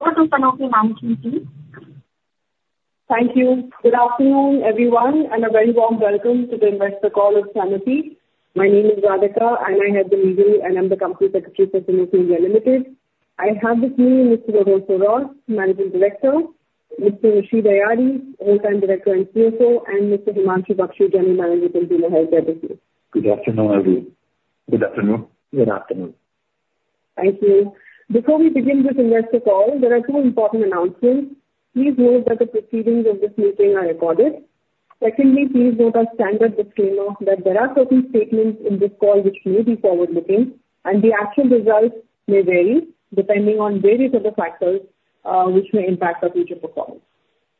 Welcome to Sanofi Management Team. Thank you. Good afternoon, everyone, and a very warm welcome to the Investor Call of Sanofi. My name is Radhika, and I head the legal, and I'm the company secretary for Sanofi India Limited. I have with me Mr. Rodolfo Hrosz, Managing Director; Mr. Rachid Ayari, Full-time Director and CFO; and Mr. Himanshu Bakshi, Managing Director of Sanofi Consumer Healthcare India Limited. Good afternoon, everyone. Good afternoon. Good afternoon. Thank you. Before we begin this Investor Call, there are two important announcements. Please note that the proceedings of this meeting are recorded. Secondly, please note our standard disclaimer that there are certain statements in this call which may be forward-looking, and the actual results may vary depending on various other factors which may impact our future performance.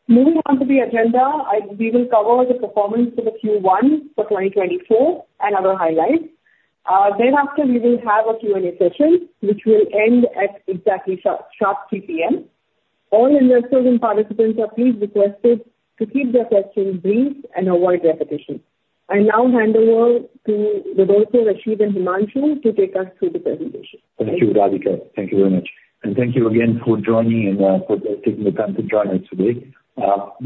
Moving on to the agenda, we will cover the performance of the Q1 for 2024 and other highlights. Then after, we will have a Q&A session which will end at exactly sharp 3:00 P.M. All investors and participants are please requested to keep their questions brief and avoid repetition. I now hand over to Rodolfo Hrosz, Rachid, and Himanshu to take us through the presentation. Thank you, Radhika. Thank you very much. Thank you again for joining and for taking the time to join us today.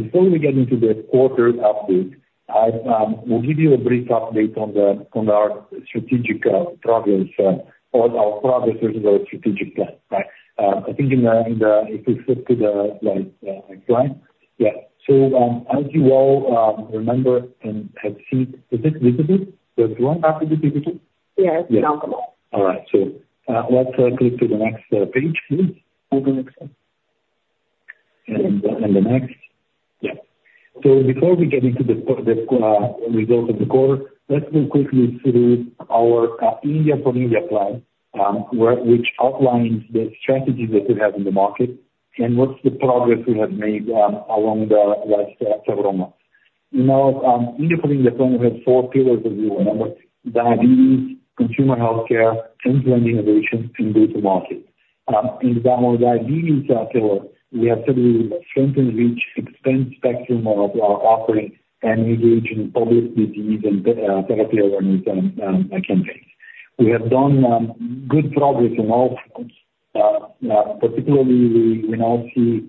Before we get into the quarter update, I will give you a brief update on our strategic progress, on our progress versus our strategic plan, right? I think in the if we flip to the next slide. Yeah. So as you all remember and have seen, is it visible? Does it run after the digital? Yes. It's now coming up. All right. Let's click to the next page, please. Open Excel. Before we get into the results of the quarter, let's go quickly through our India for India plan, which outlines the strategies that we have in the market and what's the progress we have made along the last several months. In our India for India plan, we have four pillars, as you remember: diabetes, consumer healthcare, end-to-end innovation, and go-to-market. In our diabetes pillar, we have said we will strengthen each end of the spectrum of our offering and engage in public disease and therapy awareness campaigns. We have done good progress in all fronts. Particularly, we now see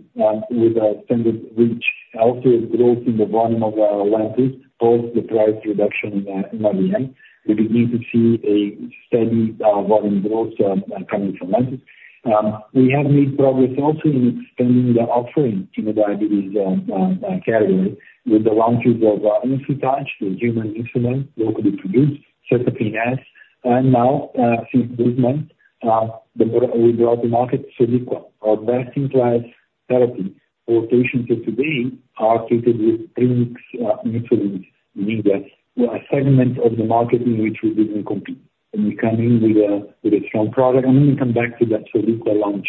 with standard reach also a growth in the volume of Lantus, both the price reduction and NLEM. We begin to see a steady volume growth coming from Lantus. We have made progress also in expanding the offering in the diabetes category with the launches of Insutage, the human insulin locally produced, Cetapin S. Now, since this month, we brought to market Soliqua, our best-in-class therapy for patients of today who are treated with three-mix insulins in India, a segment of the market in which we didn't compete. We come in with a strong product. I'm going to come back to that Soliqua launch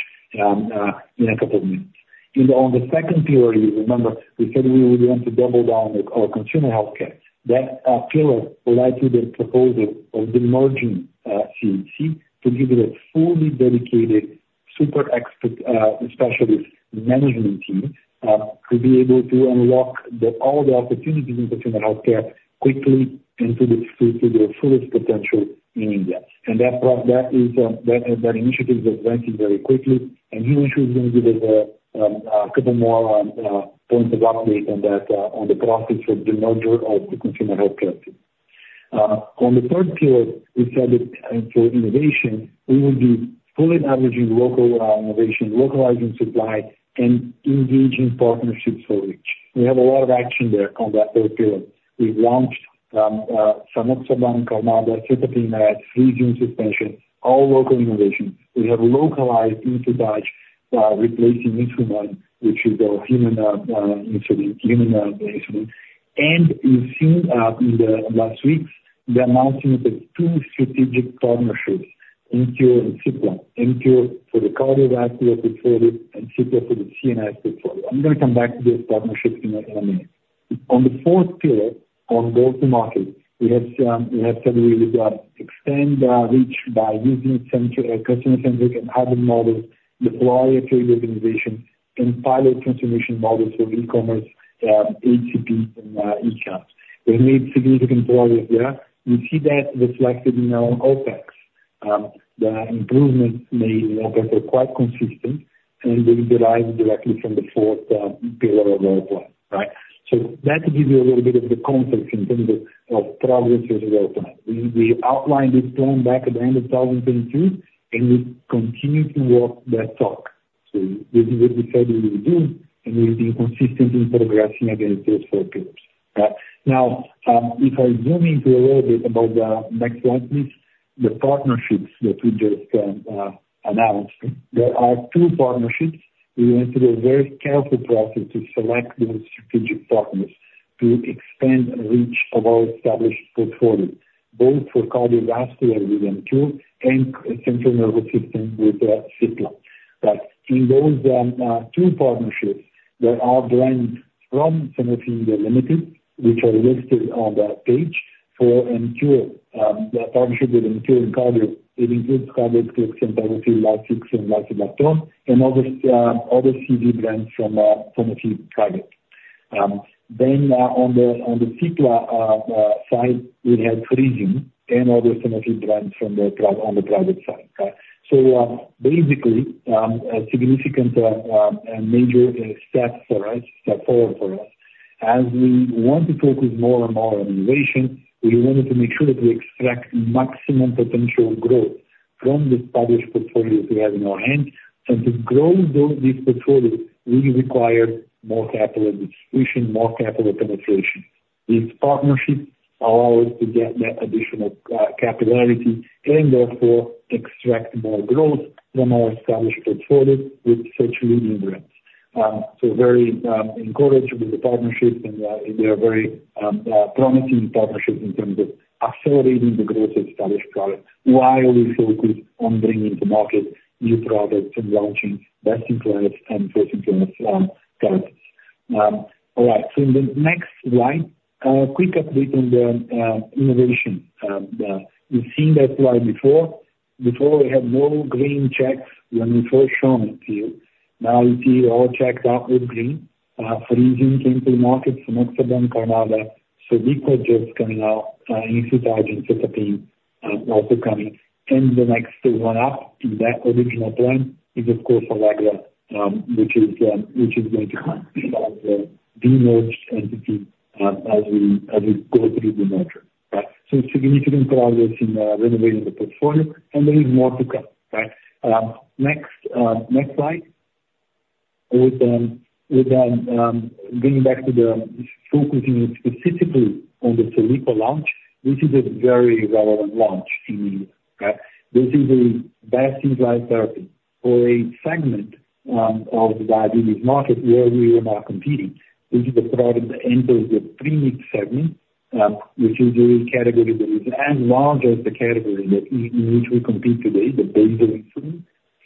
in a couple of minutes. On the second pillar, you remember, we said we would want to double down on consumer healthcare. That pillar led to the proposal of the demerging CHC to give you a fully dedicated super expert specialist management team to be able to unlock all the opportunities in consumer healthcare quickly and to get to their fullest potential in India. That initiative is advancing very quickly. Himanshu is going to give us a couple more points of update on the process of the merger of the consumer healthcare team. On the third pillar, we said that for innovation, we will be fully leveraging local innovation, localizing supply, and engaging partnerships for reach. We have a lot of action there on that third pillar. We've launched SANOXABAN, Carmada, Cetapin S, Frisium Suspension, all local innovation. We have localized Insutage, replacing Insuman, which is our human insulin. You've seen in the last weeks, they're announcing that there are two strategic partnerships: Emcure and Cipla, Emcure for the cardiovascular portfolio and Cipla for the CNS portfolio. I'm going to come back to those partnerships in a minute. On the fourth pillar, on go-to-market, we have said we would extend reach by using customer-centric and hybrid models, deploy a trade organization, and pilot transformation models for e-commerce, HCP, and e-commerce. We've made significant progress there. We see that reflected in our OpEx. The improvements made in OpEx are quite consistent, and they derive directly from the fourth pillar of our plan, right? So that gives you a little bit of the context in terms of progress versus our plan. We outlined this plan back at the end of 2022, and we continue to walk that talk. So this is what we said we would do, and we've been consistent in progressing against those four pillars, right? Now, if I zoom into a little bit about the next slide, please, the partnerships that we just announced. There are two partnerships. We went through a very careful process to select those strategic partners to expand reach of our established portfolio, both for cardiovascular with Emcure and central nervous system with Cipla. But in those two partnerships, there are brands from Sanofi India Limited, which are listed on that page, for Emcure. The partnership with Emcure and Cardio. it includes Cardace, Clexane, Targocid, Lasix, and Lasilactone, and other CV brands from Sanofi Private. Then on the Cipla side, we have Frisium and other Sanofi brands on the portfolio side, right? So basically, a significant and major step for us, step forward for us. As we want to focus more and more on innovation, we wanted to make sure that we extract maximum potential growth from the established portfolio that we have in our hands. And to grow this portfolio, we required more channel distribution, more channel penetration. These partnerships allow us to get that additional capillarity and therefore extract more growth from our established portfolio with such leading brands. So very encouraged with the partnerships, and they are very promising partnerships in terms of accelerating the growth of established products while we focus on bringing to market new products and launching best-in-class and first-in-class products. All right. So in the next slide, quick update on the innovation. You've seen that slide before. Before, we had no green checks when we first showed it to you. Now, you see all checked out with green. Frisium came to the market, SANOXABAN, Carmada, Soliqua just coming out, Insutage, and Cetapin also coming. And the next one up in that original plan is, of course, Allegra, which is going to be our de-merged entity as we go through the merger, right? So significant progress in renovating the portfolio, and there is more to come, right? Next slide. With them going back to the focusing specifically on the Soliqua launch, this is a very relevant launch in India, right? This is a best-in-class therapy for a segment of the diabetes market where we are not competing. This is a product that enters the premix segment, which is a category that is as large as the category in which we compete today, the basal insulin.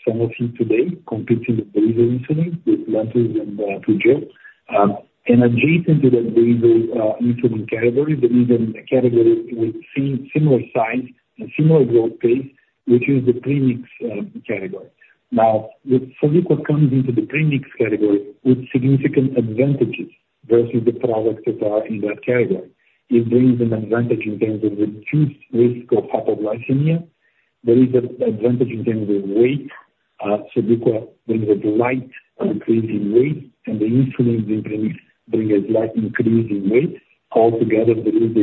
Sanofi today competes in the basal insulin with Lantus and Toujeo. And adjacent to that basal insulin category, there is a category with similar size and similar growth pace, which is the premix category. Now, with Soliqua coming into the premix category with significant advantages versus the products that are in that category, it brings an advantage in terms of reduced risk of hypoglycemia. There is an advantage in terms of weight. Soliqua brings a slight increase in weight, and the insulin brings a slight increase in weight. Altogether, there is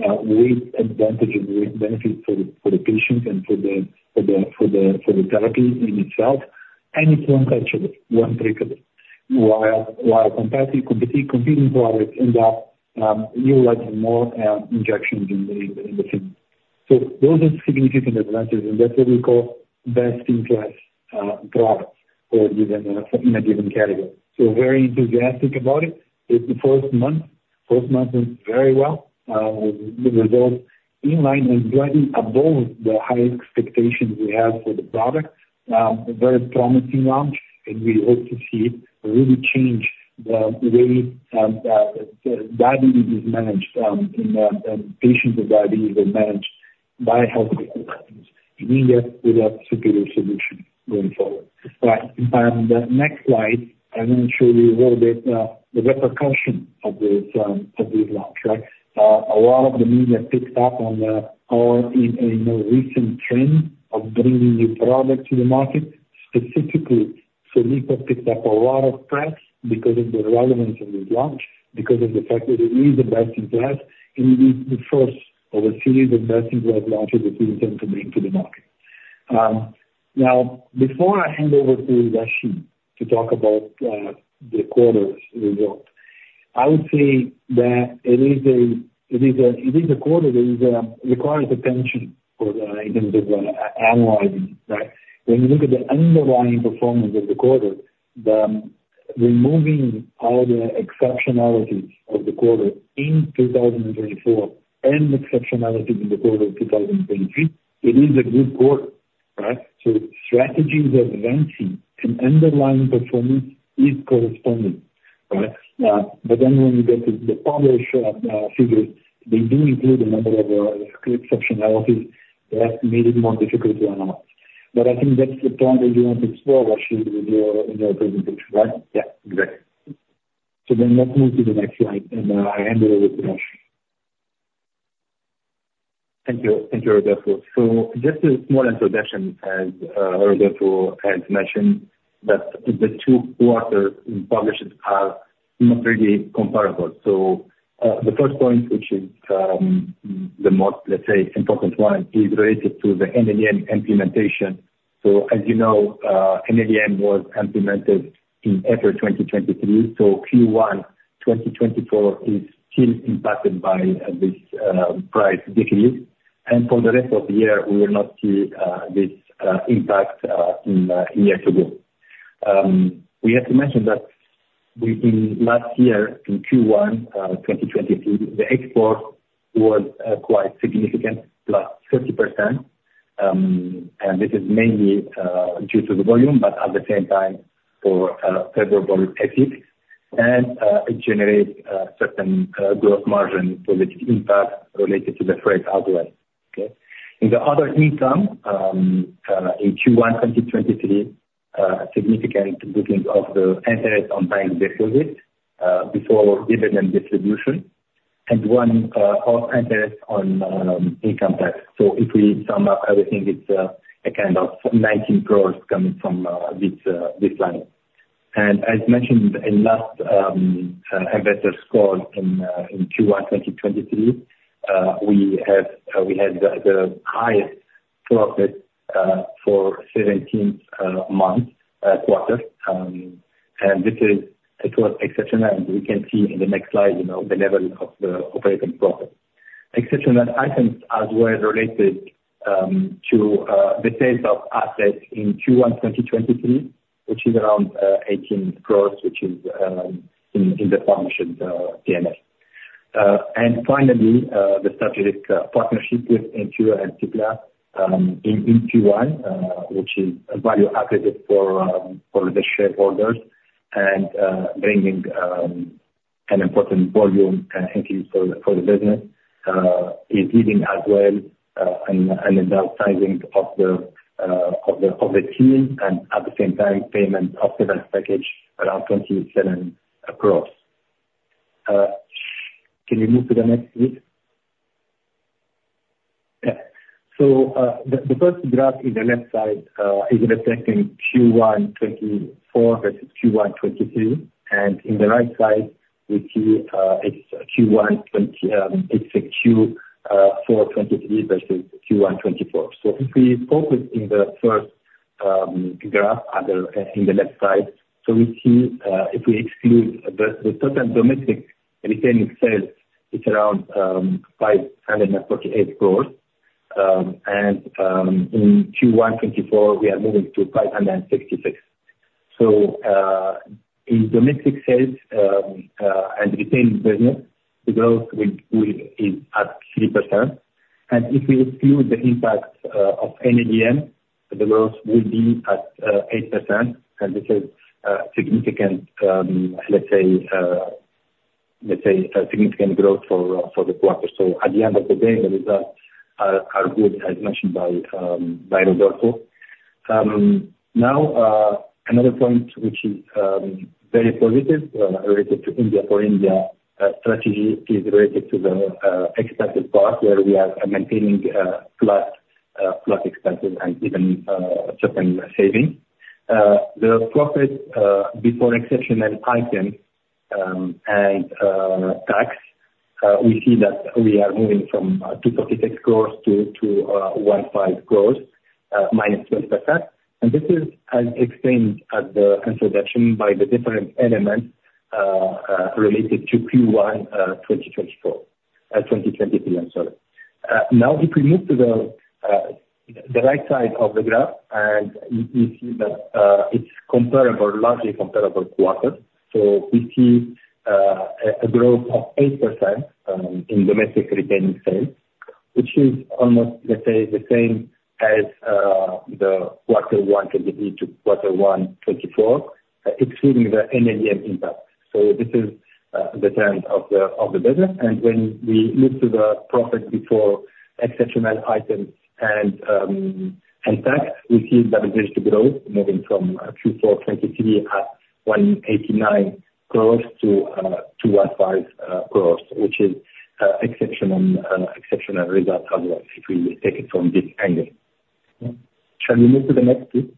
a weight advantage and weight benefit for the patient and for the therapy in itself. And it's one touchable, one tritratable. While competing products end up utilizing more injections in the same way. So those are significant advantages, and that's what we call best-in-class products in a given category. So very enthusiastic about it. The first month went very well with results in line and slightly above the high expectations we had for the product. Very promising launch, and we hope to see it really change the way diabetes is managed in patients with diabetes that are managed by healthcare providers in India with a superior solution going forward. All right. In the next slide, I'm going to show you a little bit the repercussion of this launch, right? A lot of the media picked up on our recent trend of bringing new products to the market. Specifically, Soliqua picked up a lot of press because of the relevance of this launch, because of the fact that it is a best-in-class and it is the first of a series of best-in-class launches that we intend to bring to the market. Now, before I hand over to Rachid to talk about the quarter's results, I would say that it is a quarter that requires attention in terms of analyzing, right? When you look at the underlying performance of the quarter, removing all the exceptionalities of the quarter in 2024 and the exceptionalities in the quarter of 2023, it is a good quarter, right? So strategies advancing and underlying performance is corresponding, right? But then when you get to the published figures, they do include a number of exceptionalities that made it more difficult to analyze. But I think that's the point that you want to explore, Rachid, in your presentation, right? Yeah. Exactly. So then let's move to the next slide, and I hand it over to Rachid. Thank you, Rodolfo Hrosz. So just a small introduction. As Rodolfo Hrosz has mentioned, the two quarters in comparison are not really comparable. So the first point, which is the most, let's say, important one, is related to the NLEM implementation. So as you know, NLEM was implemented in April 2023. So Q1 2024 is still impacted by this price decrease. And for the rest of the year, we will not see this impact year-over-year. We have to mention that in last year, in Q1 2023, the export was quite significant, +30%. And this is mainly due to the volume, but at the same time, favorable FX and it generates certain gross margin positive impact related to the freight outlay, okay? In the other income, in Q1 2023, significant bookings of the interest on bank deposits before dividend distribution and one-off interest on income tax. If we sum up everything, it's a kind of 19% growth coming from this line. As mentioned in last investor's call in Q1 2023, we had the highest profit for 17th month quarter. It was exceptional. We can see in the next slide the level of the operating profit. Exceptional items as well related to the sales of assets in Q1 2023, which is around 18 crores, which is in the published P&L. And finally, the strategic partnership with Emcure and Cipla in Q1, which is a value added for the shareholders and bringing an important volume increase for the business, is leading as well in the sizing of the team and at the same time, payment of the best package around 27 crore. Can you move to the next slide? Yeah. So the first graph in the left side is reflecting Q1 2024 versus Q1 2023. And in the right side, we see it's Q1 2024 versus Q1 2023. So if we focus in the first graph in the left side, so we see if we exclude the total domestic retail sales, it's around 548 crore. And in Q1 2024, we are moving to 566 crore. So in domestic sales and retail business, the growth is at 3%. And if we exclude the impact of NLEM, the growth will be at 8%. This is significant, let's say, significant growth for the quarter. So at the end of the day, the results are good, as mentioned by Rodolfo Hrosz. Now, another point, which is very positive related to India for India strategy, is related to the expense part where we are maintaining flat expenses and even certain savings. The profit before exceptional items and tax, we see that we are moving from 246 crores to 105 crores -12%. And this is as explained at the introduction by the different elements related to Q1 2024, 2023, I'm sorry. Now, if we move to the right side of the graph, and you see that it's comparable, largely comparable quarters. So we see a growth of 8% in domestic retaining sales, which is almost, let's say, the same as the quarter 1 2023 to quarter 1 2024, excluding the NLEM impact. This is the trend of the business. When we look to the profit before exceptional items and tax, we see that there is growth moving from Q4 2023 at 189 crores to 105 crores, which is exceptional results as well if we take it from this angle. Shall we move to the next slide?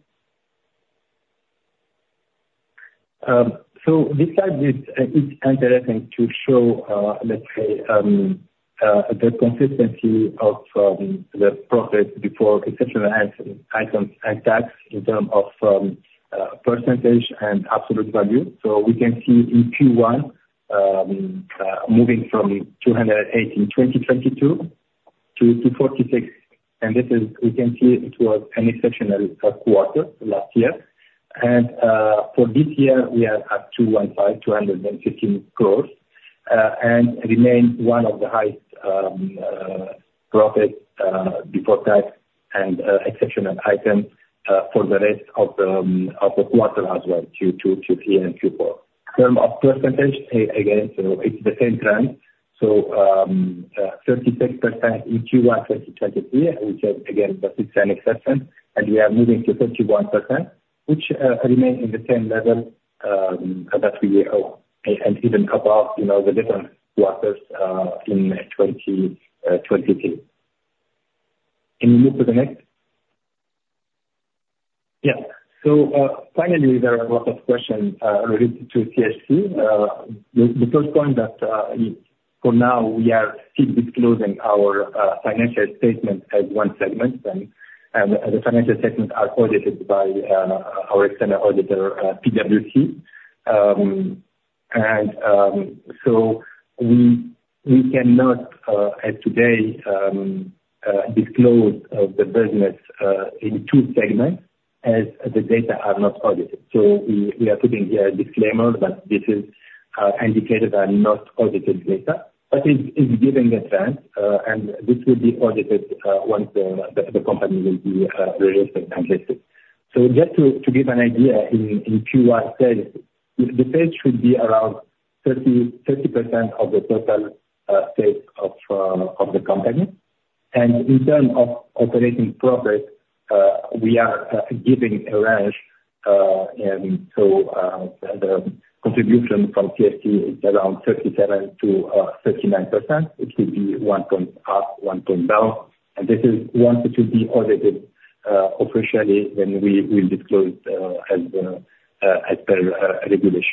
This slide, it's interesting to show, let's say, the consistency of the profit before exceptional items and tax in terms of percentage and absolute value. We can see in Q1 moving from 218, 2022, to 246. We can see it was an exceptional quarter last year. For this year, we are at 215, 215 crores, and remain one of the highest profits before tax and exceptional items for the rest of the quarter as well, Q3 and Q4. In terms of percentage, again, it's the same trend. So 36% in Q1 2023, which again, it's an exception. And we are moving to 31%, which remain in the same level that we are and even above the different quarters in 2023. Can you move to the next? Yeah. So finally, there are a lot of questions related to CHC. The first point that for now, we are still disclosing our financial statements as one segment. And the financial statements are audited by our external auditor, PwC. And so we cannot, as today, disclose the business in two segments as the data are not audited. So we are putting here a disclaimer that this is indicated as not audited data. But it's given the trend, and this will be audited once the company will be registered and listed. So just to give an idea, in Q1 sales, the sales should be around 30% of the total sales of the company. And in terms of operating profit, we are giving a range. So the contribution from CHC is around 37%-39%. It could be one point up, one point down. And this is once it should be audited officially, then we will disclose as per regulation.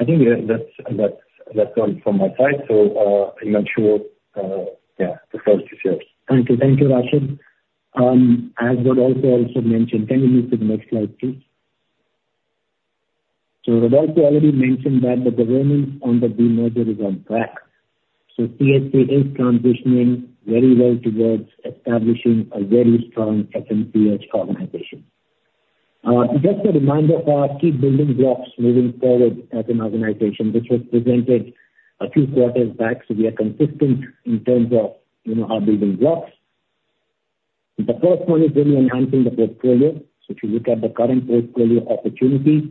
I think that's all from my side. So I'm not sure, yeah, the first is yours. Thank you. Thank you, Rachid. As Rodolfo Hrosz mentioned, can you move to the next slide, please? So Rodolfo Hrosz already mentioned that the governance under the merger is on track. So CHC is transitioning very well towards establishing a very strong FMCG organization. Just a reminder for our key building blocks moving forward as an organization, which was presented a few quarters back. So we are consistent in terms of our building blocks. The first one is really enhancing the portfolio. So if you look at the current portfolio opportunities,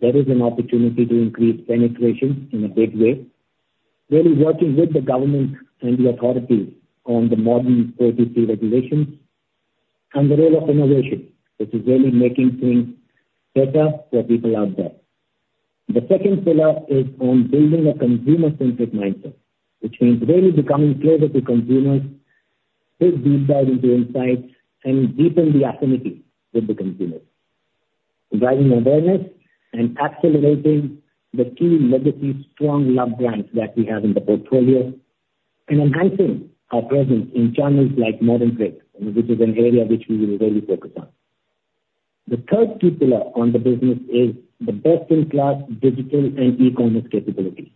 there is an opportunity to increase penetration in a big way, really working with the government and the authorities on the modern OTC regulations and the role of innovation, which is really making things better for people out there. The second pillar is on building a consumer-centric mindset, which means really becoming closer to consumers, take deep dive into insights, and deepen the affinity with the consumers, driving awareness and accelerating the key legacy strong love brands that we have in the portfolio, and enhancing our presence in channels like modern trade, which is an area which we will really focus on. The third key pillar on the business is the best-in-class digital and e-commerce capabilities.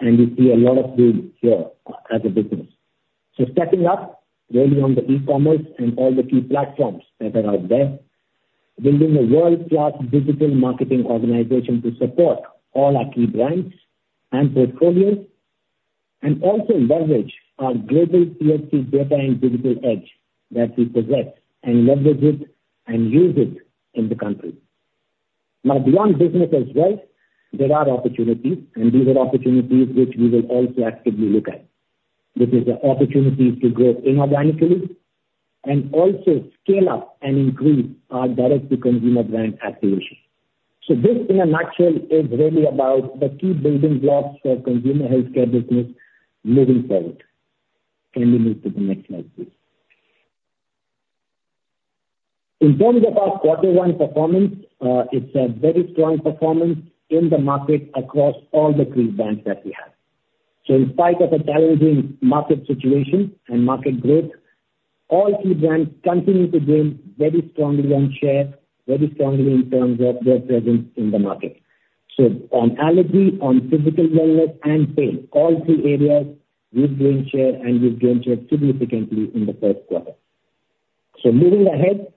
We see a lot of boom here as a business. Stepping up really on the e-commerce and all the key platforms that are out there, building a world-class digital marketing organization to support all our key brands and portfolios, and also leverage our global CHC data and digital edge that we possess and leverage it and use it in the country. Now, beyond business as well, there are opportunities, and these are opportunities which we will also actively look at. This is opportunities to grow inorganically and also scale up and increase our direct-to-consumer brand activation. So this, in a nutshell, is really about the key building blocks for consumer healthcare business moving forward. Can you move to the next slide, please? In terms of our quarter one performance, it's a very strong performance in the market across all the three brands that we have. So in spite of a challenging market situation and market growth, all three brands continue to gain very strongly on share, very strongly in terms of their presence in the market. So on allergy, on physical wellness, and pain, all three areas, we've gained share, and we've gained share significantly in the first quarter. So moving ahead,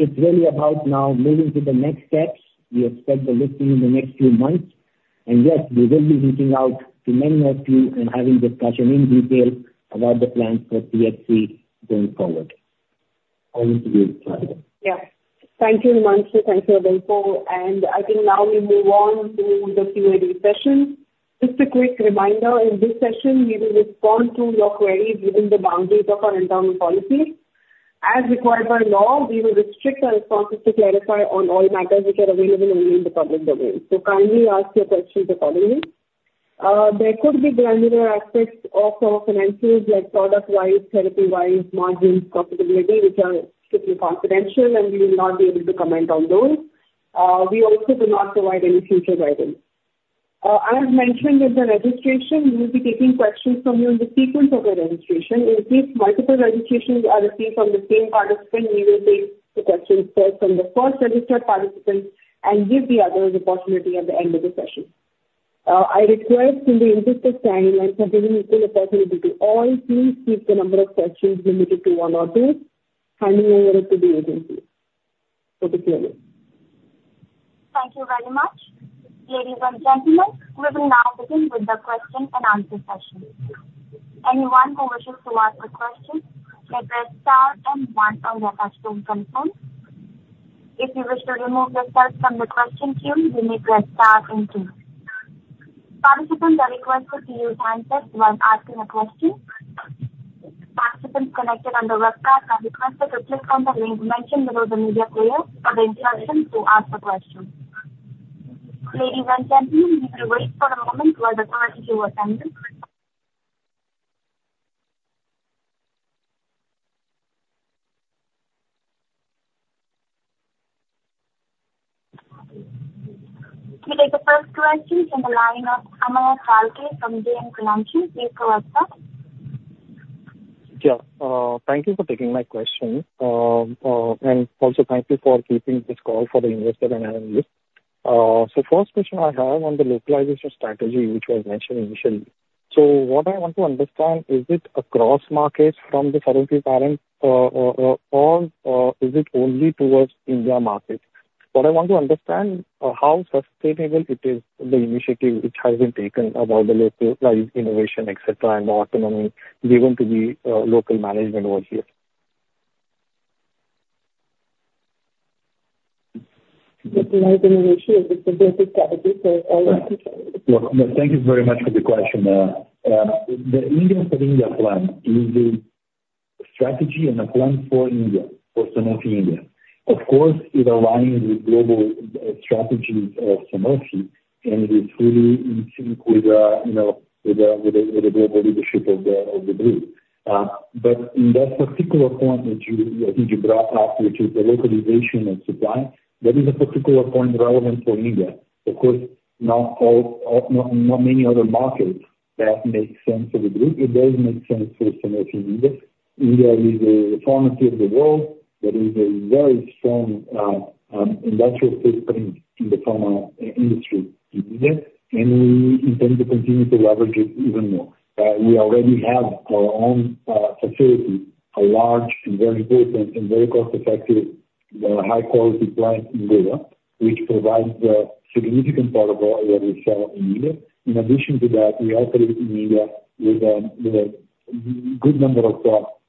it's really about now moving to the next steps. We expect the listing in the next few months. Yes, we will be reaching out to many of you and having discussion in detail about the plans for CHC going forward. Over to you, Radhika. Yeah. Thank you, Himanshu. Thank you, Rodolfo Hrosz. I think now we move on to the Q&A session. Just a quick reminder, in this session, we will respond to your queries within the boundaries of our internal policy. As required by law, we will restrict our responses to clarify on all matters which are available only in the public domain. Kindly ask your questions accordingly. There could be granular aspects of our financials like product-wise, therapy-wise, margins, profitability, which are strictly confidential, and we will not be able to comment on those. We also do not provide any future guidance. As mentioned in the registration, we will be taking questions from you in the sequence of the registration. In case multiple registrations are received from the same participant, we will take the questions first from the first registered participant and give the other the opportunity at the end of the session. I request, in the interest of timeline for giving equal opportunity to all, please keep the number of questions limited to one or two, handing over it to the agency for the Q&A. Thank you very much. Ladies and gentlemen, we will now begin with the question and answer session. Anyone who wishes to ask a question may press star and one on their touchscreen phone. If you wish to remove yourself from the question queue, you may press star and two. Participants are requested to use hands up while asking a question. Participants connected on the webcast are requested to click on the link mentioned below the media player for the instructions to ask a question. Ladies and gentlemen, we will wait for a moment while the questions are attended. We take the first question from the line of Ameya Chalke from JM Financial. Please go ahead, sir. Yeah. Thank you for taking my question. Also, thank you for keeping this call for the investor and analysts. First question I have on the localization strategy, which was mentioned initially. What I want to understand, is it across markets from the 70 parents, or is it only towards India market? What I want to understand, how sustainable is the initiative which has been taken about the localized innovation, etc., and autonomy given to the local management over here? Localized innovation is a global strategy for all the countries. Thank you very much for the question. The India for India plan is a strategy and a plan for India, for Sanofi India. Of course, it aligns with global strategies of Sanofi, and it is fully in sync with the global leadership of the group. But in that particular point that I think you brought up, which is the localization of supply, that is a particular point relevant for India. Of course, not many other markets that make sense for the group. It does make sense for Sanofi India. India is a pharmacy of the world. There is a very strong industrial footprint in the pharma industry in India, and we intend to continue to leverage it even more. We already have our own facility, a large and very important and very cost-effective, high-quality plant in Goa, which provides a significant part of what we sell in India. In addition to that, we operate in India with a good number of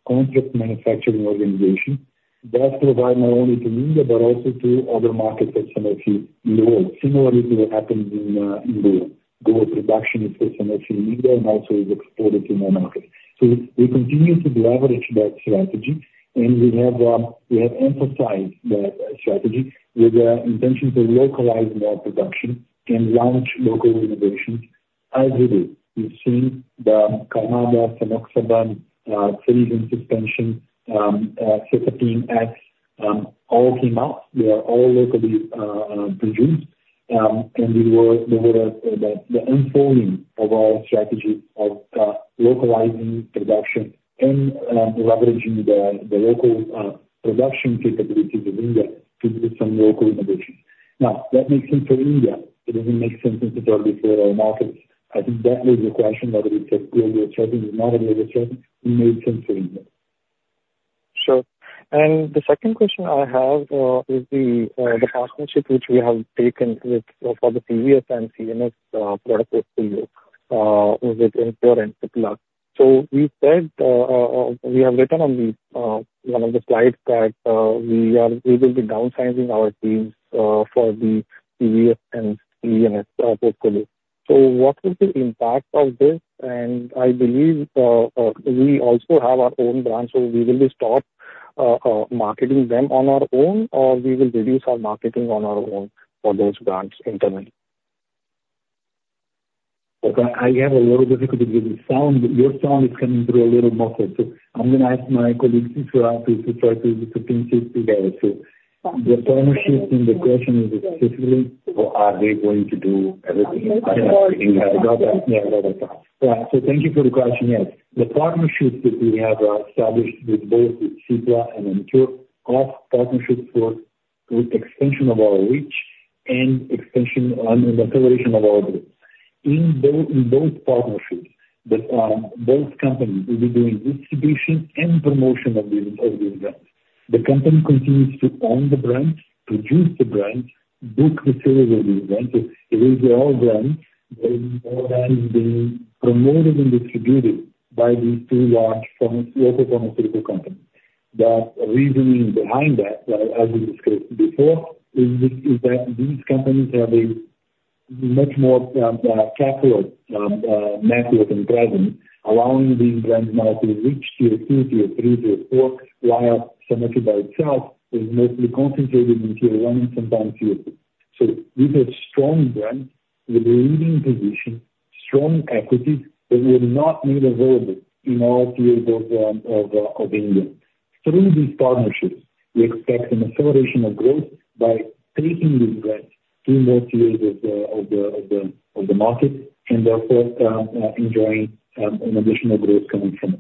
contract manufacturing organizations that provide not only to India but also to other markets of Sanofi in the world, similarly to what happens in Goa. Goa production is for Sanofi in India and also is exported to more markets. So we continue to leverage that strategy, and we have emphasized that strategy with the intention to localize more production and launch local innovations as we do. You've seen the Carmada, SANOXABAN, Frisium suspension, Cetapin S all came out. They are all locally produced. They were the unfolding of our strategy of localizing production and leveraging the local production capabilities of India to do some local innovations. Now, that makes sense for India. It doesn't make sense necessarily for other markets. I think that was the question, whether it's a global strategy or not a global strategy. It made sense for India. Sure. And the second question I have is the partnership which we have taken for the CV and CNS portfolio with Emcure and Cipla. So we said we have written on one of the slides that we will be downsizing our teams for the CV and CNS portfolio. So what was the impact of this? And I believe we also have our own brands. So we will be stopped marketing them on our own, or we will reduce our marketing on our own for those brands internally. I have a little difficulty because your sound is coming through a little muffled. So I'm going to ask my colleagues to try to pinch it together. So the partnership in the question is specifically, are they going to do everything? I got that. Yeah, I got that. Right. So thank you for the question. Yes. The partnerships that we have established with both Cipla and Emcure are partnerships for extension of our reach and acceleration of our growth. In both partnerships, both companies will be doing distribution and promotion of these brands. The company continues to own the brands, produce the brands, book the sales of these brands. So it is their own brands, more than being promoted and distributed by these two large local pharmaceutical companies. The reasoning behind that, as we discussed before, is that these companies have a much more capillary network and presence, allowing these brands now to reach Tier 2, Tier 3, Tier 4, while Sanofi by itself is mostly concentrated in Tier 1 and sometimes Tier 2. These are strong brands with leading positions, strong equities that were not made available in all tiers of India. Through these partnerships, we expect an acceleration of growth by taking these brands to more tiers of the market and therefore enjoying an additional growth coming from it.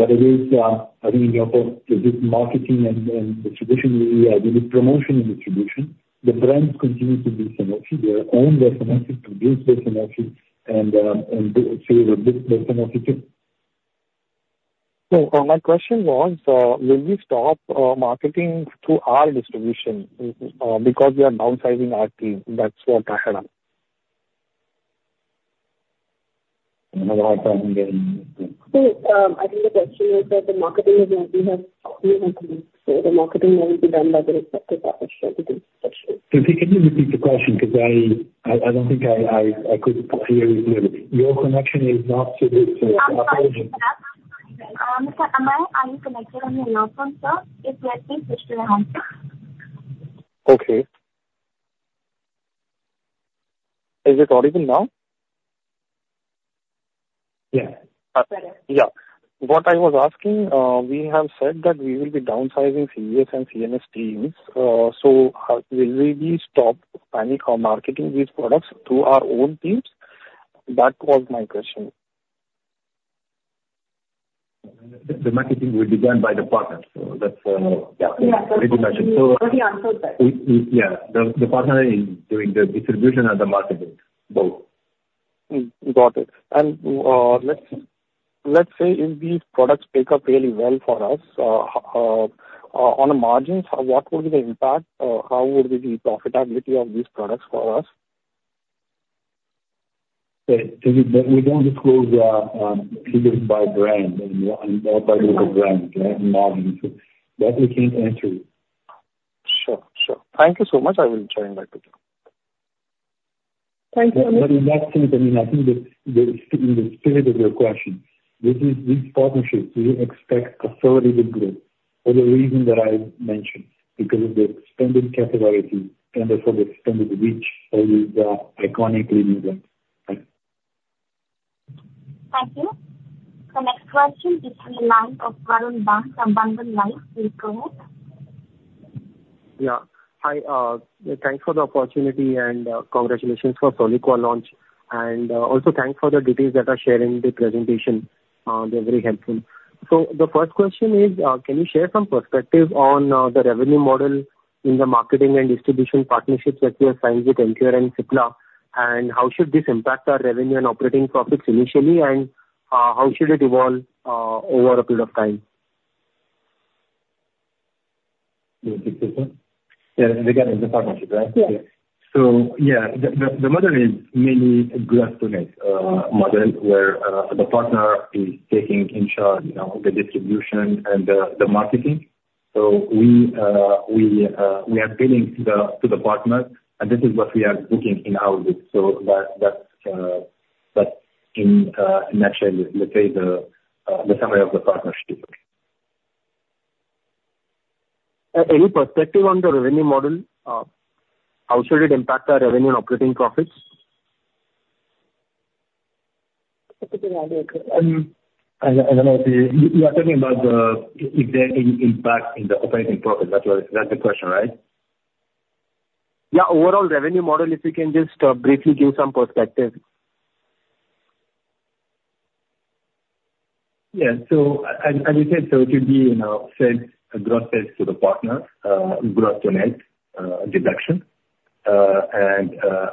I think in the marketing and distribution area, with promotion and distribution, the brands continue to be Sanofi. They own their pharmacy, produce their pharmacy, and sales are booked by Sanofi too. My question was, will we stop marketing through our distribution because we are downsizing our team? That's what I had. I think the question is that the marketing is what we have to do. The marketing will be done by the respective partnership within the session. Can you repeat the question because I don't think I could hear you clearly? Your connection is not so good, so apologies. Ameya, are you connected on your laptop, sir? If yes, please switch to your handset. Okay. Is it audible now? Yes. Yeah. What I was asking, we have said that we will be downsizing CVS and CNS teams. So will we be stopped planning our marketing with products through our own teams? That was my question. The marketing will be done by the partners. So that's already mentioned. Yeah. Sorry. He answered that. Yeah. The partner is doing the distribution and the marketing, both. Got it. And let's say if these products pick up really well for us, on a margins, what would be the impact? How would be the profitability of these products for us? We don't disclose tiers by brand and what by group of brands, right, and margins. So that we can't answer. Sure. Sure. Thank you so much. I will join back with you. Thank you, Amir. But in that sense, I mean, I think that in the spirit of your question, these partnerships, we expect accelerated growth for the reason that I mentioned, because of the expanded categories and therefore the expanded reach of these iconic leading brands, right? Thank you. The next question is from the line of Varun Bang from Bandhan Life. Please go ahead. Yeah. Hi. Thanks for the opportunity, and congratulations for Soliqua launch. And also thanks for the details that are shared in the presentation. They're very helpful. So the first question is, can you share some perspective on the revenue model in the marketing and distribution partnerships that you assigned with Emcure and Cipla? And how should this impact our revenue and operating profits initially, and how should it evolve over a period of time? Yeah. Again, it's a partnership, right? Yeah. So yeah, the model is mainly a grassroots model where the partner is taking in charge of the distribution and the marketing. So we are billing to the partner, and this is what we are booking in our group. So that's, in a nutshell, let's say, the summary of the partnership. Any perspective on the revenue model? How should it impact our revenue and operating profits? I don't know. You are talking about if there's any impact in the operating profits. That's the question, right? Yeah. Overall revenue model, if you can just briefly give some perspective. Yeah. So as you said, so it will be a gross sales to the partner, gross to net deduction, and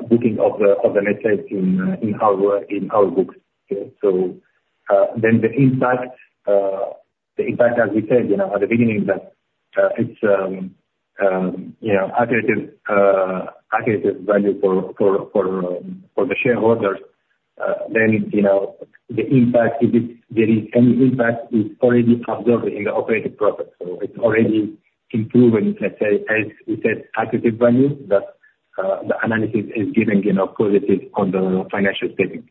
booking of the net sales in our books. So then the impact, as we said at the beginning, that it's accretive value for the shareholders. Then the impact, if there is any impact, is already absorbed in the operating profit. So it's already improved, let's say, as we said, accretive value that the analysis is giving positive on the financial statement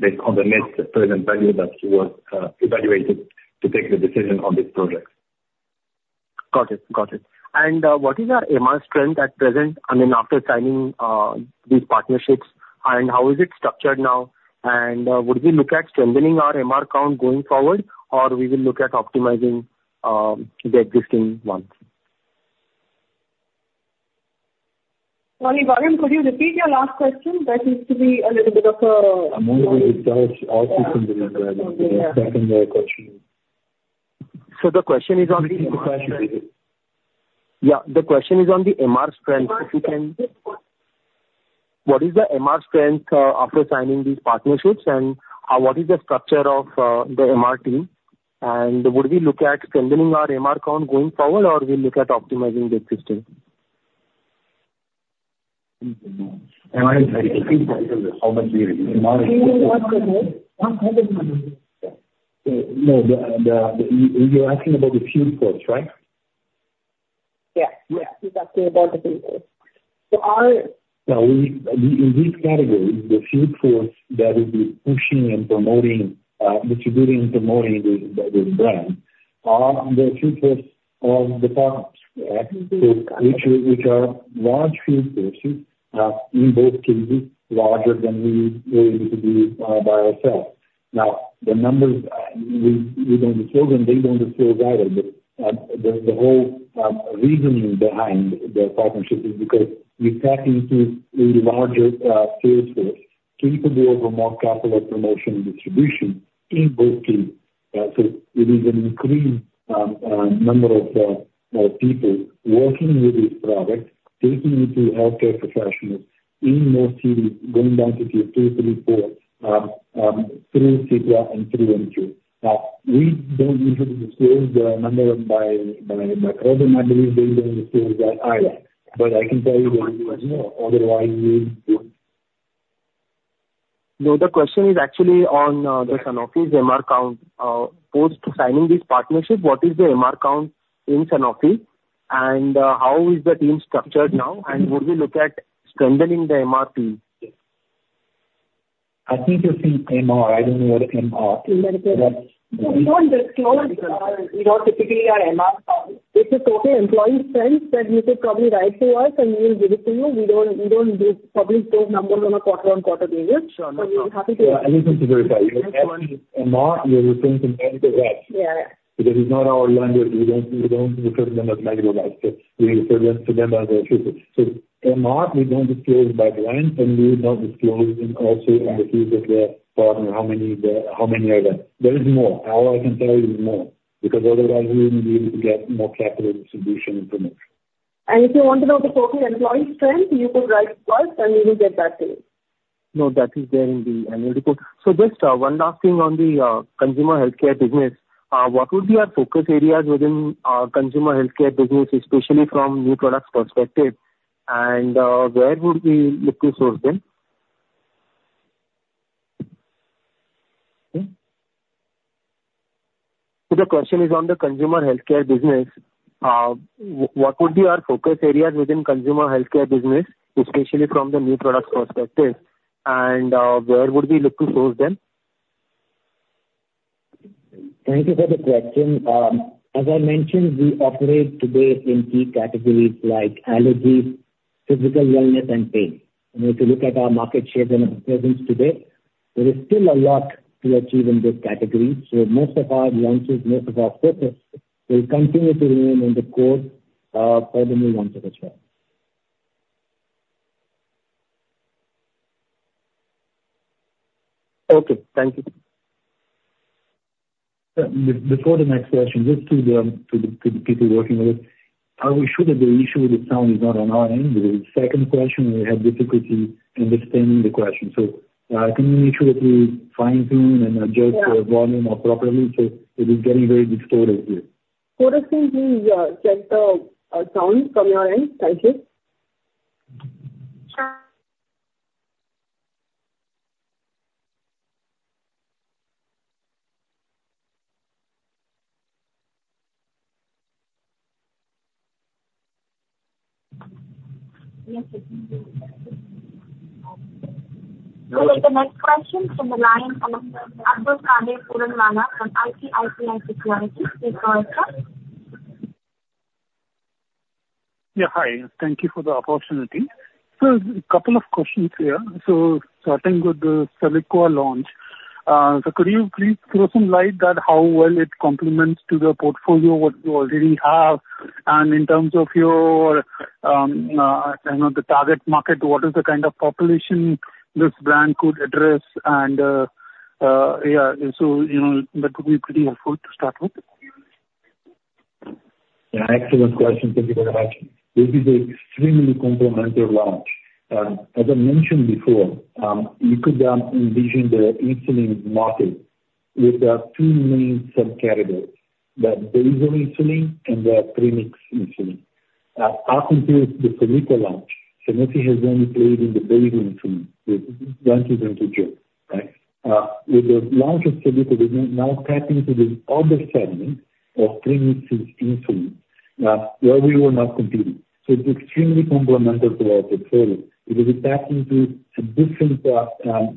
based on the net present value that was evaluated to take the decision on this project. Got it. Got it. And what is our MR strength at present? I mean, after signing these partnerships, and how is it structured now? And would we look at strengthening our MR count going forward, or we will look at optimizing the existing ones? Sorry, Varun, could you repeat your last question? That used to be a little bit of a. I'm going to read out all questions that you grabbed on the second question. The question is on the. Yeah. The question is on the MR strength, if you can. What is the MR strength after signing these partnerships, and what is the structure of the MR team? Would we look at strengthening our MR count going forward, or we look at optimizing the existing? Am I asking how much we reduce? Can you read out, please? No. You're asking about the field force, right? Yes. Yes. He's asking about the field force. So our. Now, in these categories, the field force that will be pushing and promoting, distributing, and promoting this brand are the field force of the partners, right, which are large field forces. In both cases, larger than we were able to do by ourselves. Now, the numbers, we don't disclose, and they don't disclose either. But the whole reasoning behind the partnership is because we tap into a larger field force capable of more capital promotion and distribution in both cases. So it is an increased number of people working with this product, taking it to healthcare professionals in more cities, going down to Tier 2, 3, 4 through Cipla and through Emcure. Now, we don't need to disclose the number by program. I believe they don't disclose that either. But I can tell you that it is more. Otherwise, we would. The question is actually on Sanofi's MR count. Post signing this partnership, what is the MR count in Sanofi, and how is the team structured now? And would we look at strengthening the MR team? I think you'll see MR. I don't know what MR is. We don't disclose our typical MR count. It's just, "Okay. Employee says that you could probably write to us, and we will give it to you." We don't publish those numbers on a quarter-over-quarter basis. So we're happy to. I just want to verify. You're asking MR, you're referring to medical reps because it's not our language. We don't refer to them as medical reps. We refer to them as a field. So MR, we don't disclose by brand, and we don't disclose also in the fields of the partner, how many there are. There is more. All I can tell you is more because otherwise, we wouldn't be able to get more capital distribution and promotion. If you want to know the full employee strength, you could write to us, and we will get that to you. No. That is there in the annual report. So just one last thing on the consumer healthcare business. What would be our focus areas within our consumer healthcare business, especially from new products perspective? And where would we look to source them? So the question is on the consumer healthcare business. What would be our focus areas within consumer healthcare business, especially from the new products perspective? And where would we look to source them? Thank you for the question. As I mentioned, we operate today in key categories like allergies, physical wellness, and pain. If you look at our market share and our presence today, there is still a lot to achieve in those categories. Most of our launches, most of our focus will continue to remain on the core for the new launches as well. Okay. Thank you. Before the next question, just to the people working with us, are we sure that the issue with the sound is not on our end? Because the second question, we had difficulty understanding the question. So can you make sure that we fine-tune and adjust the volume properly? So it is getting very distorted here. Could you please check the sound from your end? Thank you. Okay. The next question from the line of Abdulkader Puranwala from ICICI Securities. Please go ahead, sir. Yeah. Hi. Thank you for the opportunity. So a couple of questions here. So starting with the Soliqua launch, so could you please throw some light on how well it complements the portfolio, what you already have, and in terms of your target market, what is the kind of population this brand could address? And yeah, so that would be pretty helpful to start with. Yeah. Excellent question. Thank you for the question. This is an extremely complementary launch. As I mentioned before, you could envision the insulin market with two main subcategories: the basal insulin and the premix insulin. Up until the Soliqua launch, Sanofi has only played in the basal insulin with 1-2 groups, right? With the launch of Soliqua, we're now tapping into the other segment of premix insulin where we were not competing. So it's extremely complementary to our portfolio because it taps into a different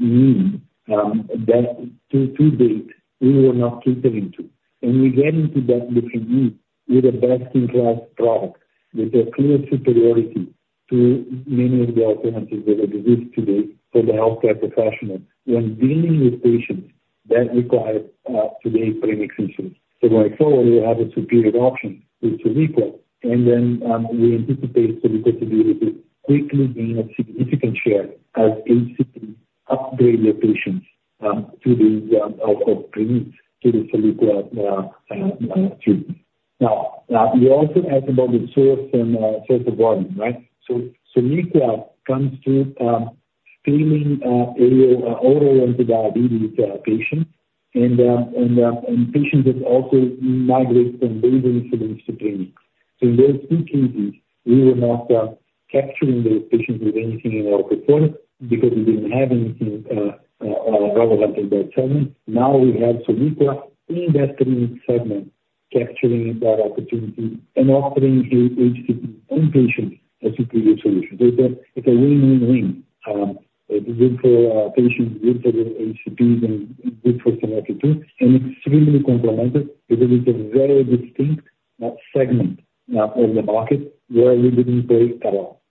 need that to date, we were not catering to. And we get into that different need with a best-in-class product with a clear superiority to many of the alternatives that exist today for the healthcare professional when dealing with patients that require today premix insulin. So going forward, we'll have a superior option with Soliqua. And then we anticipate Soliqua to be able to quickly gain a significant share as HCP upgrades their patients to the premix, to the Soliqua treatment. Now, you also asked about the source and source of volume, right? So Soliqua comes through scaling oral anti-diabetes patients and patients that also migrate from basal insulin to premix. So in those two cases, we were not capturing those patients with anything in our portfolio because we didn't have anything relevant in that segment. Now, we have Soliqua in that premix segment capturing that opportunity and offering HCP in-patient as a superior solution. So it's a win-win-win. It's good for patients, good for the HCPs, and good for Sanofi too. And extremely complementary because it's a very distinct segment of the market where we didn't play at all.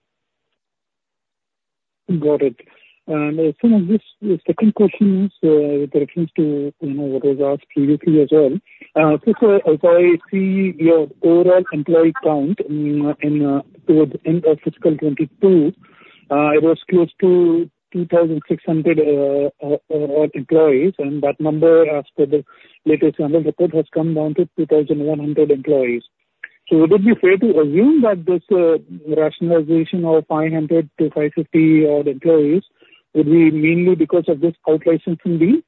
Got it. Some of this second question is with reference to what was asked previously as well. So as I see your overall employee count towards the end of fiscal 2022, it was close to 2,600 employees. And that number, as per the latest annual report, has come down to 2,100 employees. So would it be fair to assume that this rationalization of 500-550 employees would be mainly because of this outlicensing deal?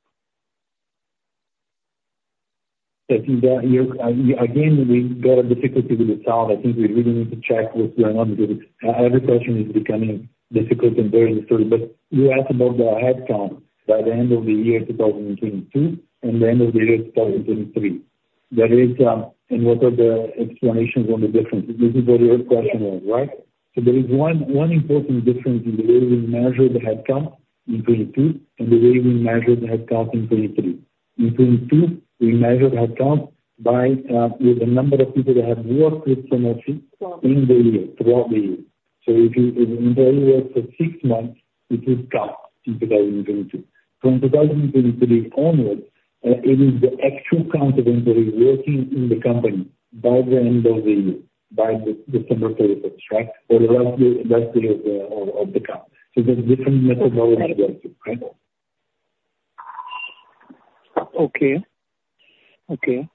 Again, we got a difficulty with the sound. I think we really need to check what's going on because every question is becoming difficult and burdensome. But you asked about the headcount by the end of the year 2022 and the end of the year 2023. And what are the explanations on the difference? This is what your question was, right? So there is one important difference in the way we measure the headcount in 2022 and the way we measure the headcount in 2023. In 2022, we measured headcount with the number of people that have worked with Sanofi throughout the year. So if an employee worked for six months, it would count in 2022. From 2023 onwards, it is the actual count of employees working in the company by the end of the year, by December 31st, right, or the last day of the count. There's a different methodology going through, right? Okay. Okay.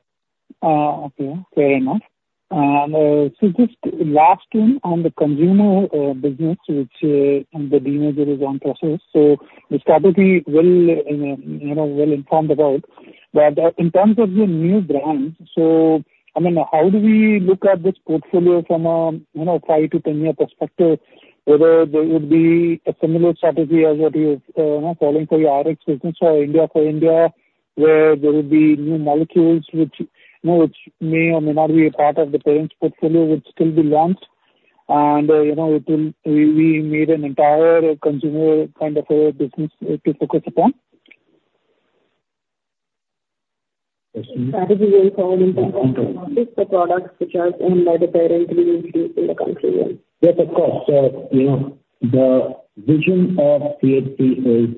Okay. Fair enough. So just last one on the consumer business, which the deal is in process. So this category will inform the vote. But in terms of the new brands, so I mean, how do we look at this portfolio from a 5-10-year perspective, whether there would be a similar strategy as what you're calling for your Rx business or India for India, where there would be new molecules which may or may not be a part of the parent's portfolio would still be launched? And we made an entire consumer kind of business to focus upon? Strategy will focus on the products such as and by the parent we use in the country, yeah? Yes, of course. So the vision of CHP is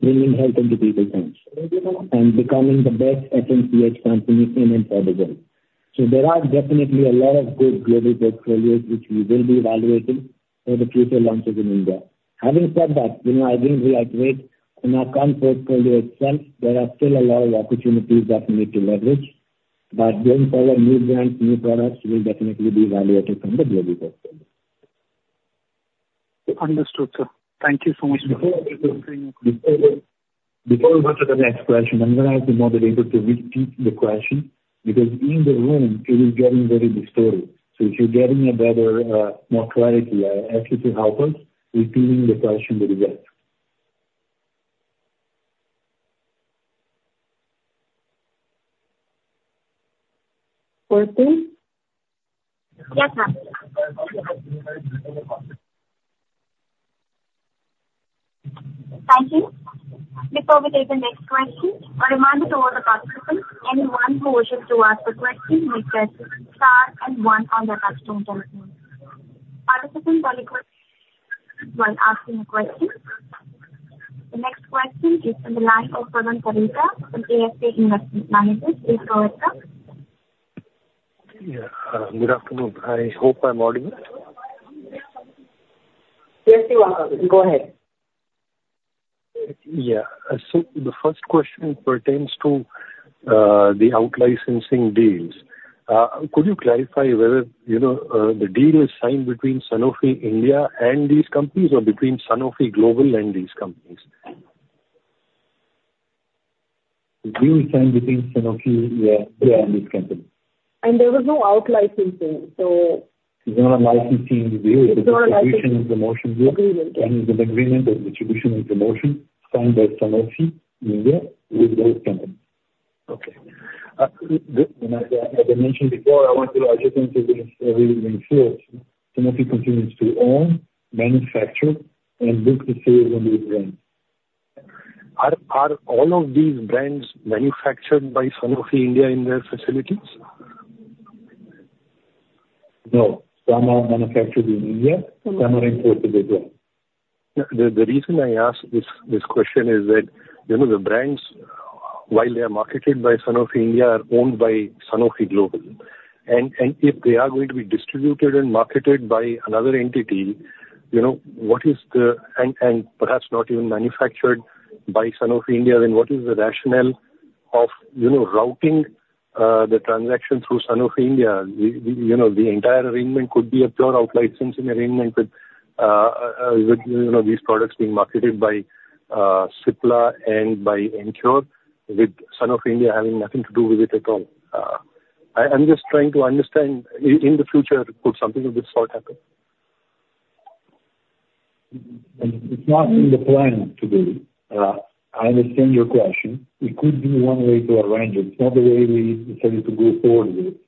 bringing health into people's hands and becoming the best FMCG company in enterprise design. So there are definitely a lot of good global portfolios which we will be evaluating for the future launches in India. Having said that, again, we are great in our current portfolio itself. There are still a lot of opportunities that we need to leverage. But going forward, new brands, new products will definitely be evaluated from the global portfolio. Understood, sir. Thank you so much for answering your question. Before we go to the next question, I'm going to ask you more detail to repeat the question because in the room, it is getting very distorted. So if you're getting a better, more clarity, ask you to help us repeating the question that you asked. For a second? Yes, ma'am. Thank you. Before we take the next question, a reminder to all the participants: anyone who wishes to ask a question may press star and one on their touch-tone telephone. Participants are requested while asking a question. The next question is from the line of Gagan Thareja from ASK Investment Management. Please go ahead, sir. Yeah. Good afternoon. I hope I'm audible. Yes, you are. Go ahead. Yeah. So the first question pertains to the outlicensing deals. Could you clarify whether the deal is signed between Sanofi India and these companies or between Sanofi Global and these companies? Deal is signed between Sanofi, yeah, and these companies. There was no outlicensing, so. There's not a licensing deal. It's a distribution and promotion deal. Agreement, okay. It's an agreement of distribution and promotion signed by Sanofi India with those companies. Okay. As I mentioned before, I want to address this because it's very really important. Sanofi continues to own, manufacture, and book the sales under its brands. Are all of these brands manufactured by Sanofi India in their facilities? No. Some are manufactured in India. Some are imported as well. The reason I ask this question is that the brands, while they are marketed by Sanofi India, are owned by Sanofi Global. And if they are going to be distributed and marketed by another entity, what is the and perhaps not even manufactured by Sanofi India, then what is the rationale of routing the transaction through Sanofi India? The entire arrangement could be a pure outlicensing arrangement with these products being marketed by Cipla and by Emcure, with Sanofi India having nothing to do with it at all. I'm just trying to understand, in the future, could something of this sort happen? It's not in the plan to be. I understand your question. It could be one way to arrange it. It's not the way we decided to go forward with it.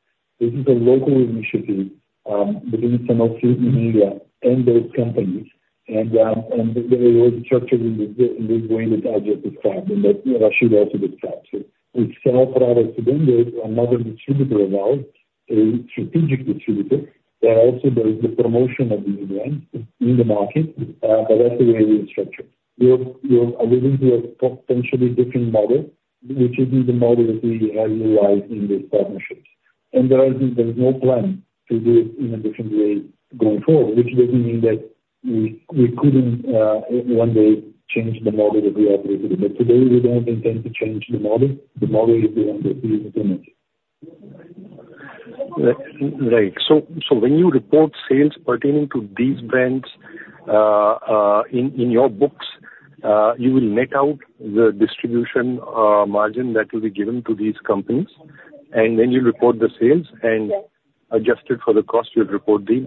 This is a local initiative between Sanofi India and those companies. They were already structured in this way that I just described and that Rachid also described. So we sell products to vendors, another distributor involved, a strategic distributor, and also there is the promotion of these brands in the market. But that's the way we're structured. We're moving to a potentially different model, which isn't the model that we have utilized in these partnerships. There is no plan to do it in a different way going forward, which doesn't mean that we couldn't, one day, change the model that we operated with. But today, we don't intend to change the model. The model is the one that we implemented. Right. When you report sales pertaining to these brands in your books, you will net out the distribution margin that will be given to these companies. Then you report the sales and adjust it for the cost. You'll report the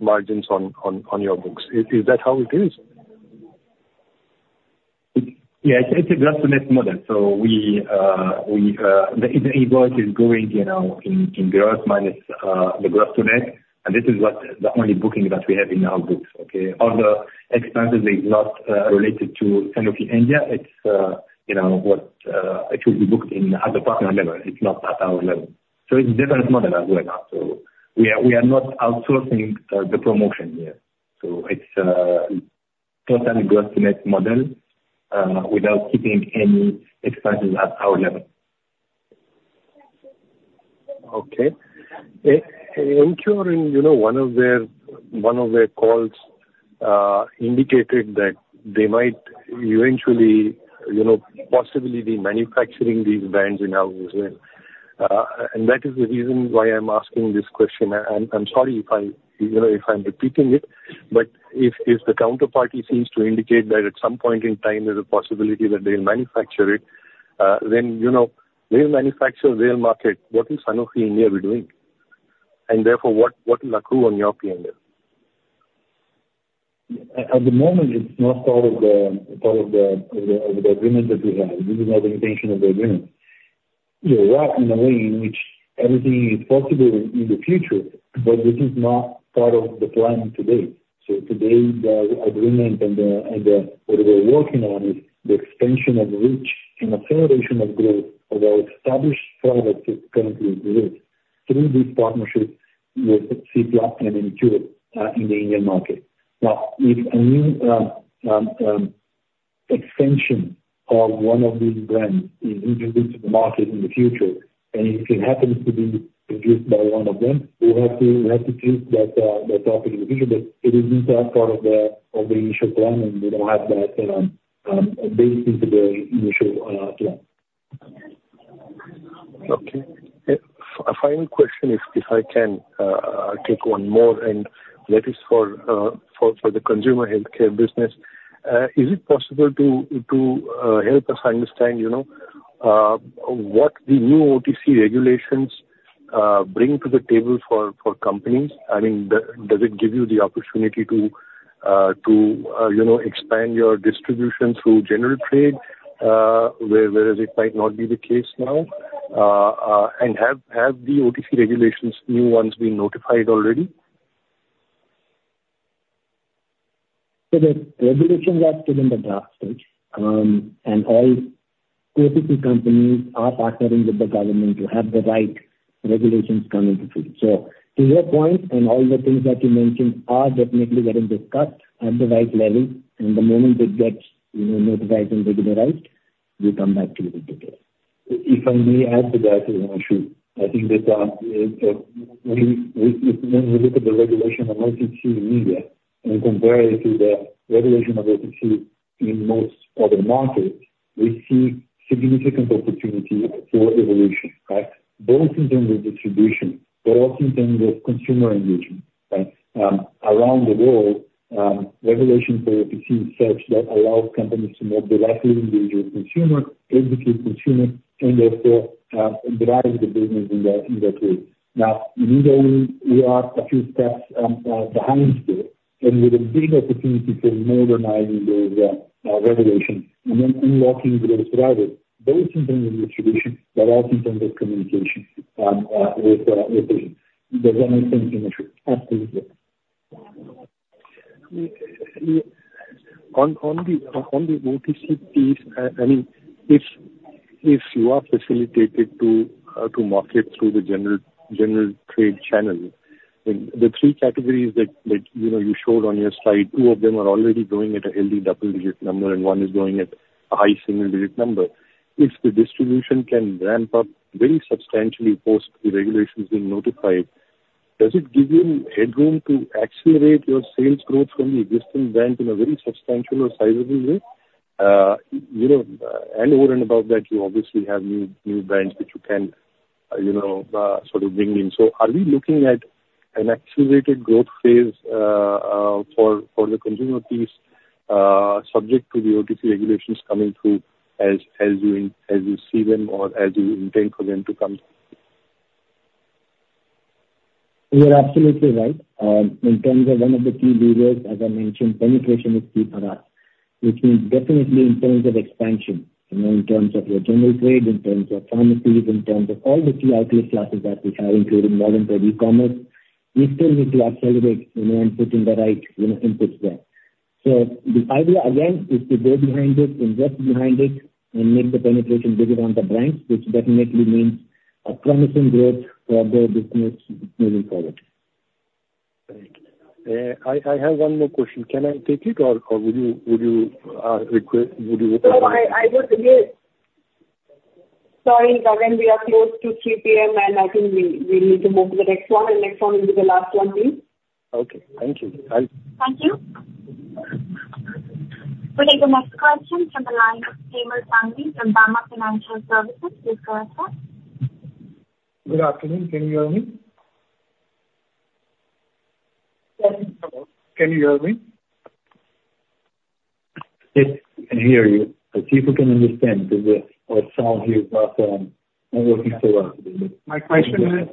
margins on your books. Is that how it is? Yeah. It's a gross-to-net model. So the invoice is going in gross minus the gross-to-net. And this is the only booking that we have in our books, okay? All the expenses are not related to Sanofi India. It's what should be booked at the partner level. It's not at our level. So it's a different model as well. So we are not outsourcing the promotion here. So it's a totally gross-to-net model without keeping any expenses at our level. Okay. Emcure, in one of their calls, indicated that they might eventually possibly be manufacturing these brands in-house as well. And that is the reason why I'm asking this question. I'm sorry if I'm repeating it. But if the counterparty seems to indicate that at some point in time, there's a possibility that they'll manufacture it, then they'll manufacture, they'll market. What will Sanofi India be doing? And therefore, what will accrue on your P&L? At the moment, it's not part of the agreement that we have. This is not the intention of the agreement. You're right in a way in which everything is possible in the future, but this is not part of the plan today. So today, the agreement and what we're working on is the expansion of reach and acceleration of growth of our established products that currently exist through these partnerships with Cipla and Emcure in the Indian market. Now, if a new extension of one of these brands is introduced to the market in the future, and if it happens to be produced by one of them, we'll have to take that topic in the future. But it isn't part of the initial plan, and we don't have that based into the initial plan. Okay. A final question, if I can take one more. That is for the consumer healthcare business. Is it possible to help us understand what the new OTC regulations bring to the table for companies? I mean, does it give you the opportunity to expand your distribution through general trade, whereas it might not be the case now? Have the OTC regulations, new ones, been notified already? The regulations are still in the draft stage. All OTC companies are partnering with the government to have the right regulations come into force. To your point and all the things that you mentioned are definitely getting discussed at the right level. The moment it gets notified and regularized, we come back to you with details. If I may add to that, Rachid, I think that when we look at the regulation on OTC media and compare it to the regulation of OTC in most other markets, we see significant opportunity for evolution, right, both in terms of distribution but also in terms of consumer engagement, right? Around the world, regulations for OTC in such that allow companies to more directly engage with consumers, educate consumers, and therefore drive the business in that way. Now, in India, we are a few steps behind still and with a big opportunity for modernizing those regulations and then unlocking those drivers, both in terms of distribution but also in terms of communication with patients. Does that make sense, Himanshu? Absolutely. On the OTC piece, I mean, if you are facilitated to market through the general trade channel, the three categories that you showed on your slide, two of them are already going at a healthy double-digit number, and one is going at a high single-digit number. If the distribution can ramp up very substantially post the regulations being notified, does it give you headroom to accelerate your sales growth from the existing brand in a very substantial or sizable way? And over and above that, you obviously have new brands that you can sort of bring in. So are we looking at an accelerated growth phase for the consumer piece subject to the OTC regulations coming through as you see them or as you intend for them to come through? You're absolutely right. In terms of one of the key levers, as I mentioned, penetration is key for us, which means definitely in terms of expansion, in terms of your general trade, in terms of pharmacies, in terms of all the key outlet classes that we have, including Modern Trade, e-commerce, we still need to accelerate and put in the right inputs there. So the idea, again, is to go behind it, invest behind it, and make the penetration bigger on the brands, which definitely means a promising growth for the business moving forward. Thank you. I have one more question. Can I take it, or would you open the mic? Sorry, Gagan. We are close to 3:00 P.M., and I think we need to move to the next one. Next one will be the last one, please. Okay. Thank you. Thank you. We'll take the next question from the line of Premal Sanghavi from Vama Financial Services. Please go ahead, sir. Good afternoon. Can you hear me? Yes. Hello. Can you hear me? Yes. I hear you. I see if we can understand because our sound here is not working so well today. My question is